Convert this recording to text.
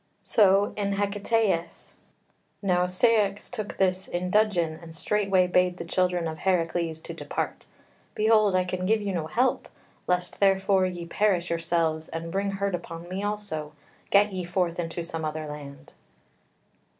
So in Hecataeus: "Now Ceyx took this in dudgeon, and straightway bade the children of Heracles to depart. 'Behold, I can give you no help; lest, therefore, ye perish yourselves and bring hurt upon me also, get ye forth into some other land.